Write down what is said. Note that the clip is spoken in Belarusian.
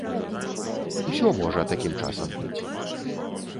Усё можа такім часам быць.